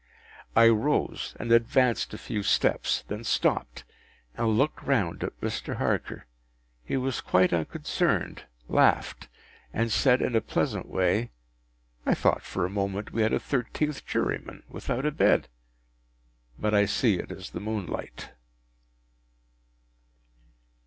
I rose, and advanced a few steps; then stopped, and looked round at Mr. Harker. He was quite unconcerned, laughed, and said in a pleasant way, “I thought for a moment we had a thirteenth juryman, without a bed. But I see it is the moonlight.